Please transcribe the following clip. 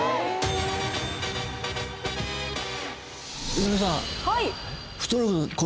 井上さん。